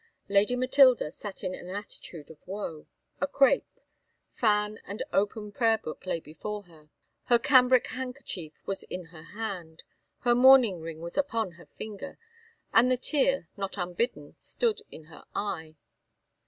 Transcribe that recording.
Lady Matilda sat in an attitude of woe a crape fan and open prayer book lay before her her cambric handkerchief was in her hand her mourning ring was upon her finger and the tear, not unbidden, stood in her eye.